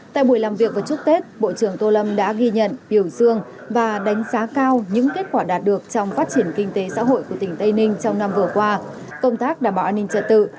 tại buổi làm việc và chúc tết bộ trưởng tô lâm đã ghi nhận biểu dương và đánh giá cao những kết quả đạt được trong phát triển kinh tế xã hội của tỉnh tây ninh trong năm vừa qua công tác đảm bảo an ninh trật tự